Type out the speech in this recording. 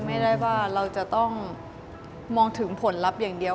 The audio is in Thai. ไม่ได้ว่าเราจะต้องมองถึงผลลัพธ์อย่างเดียว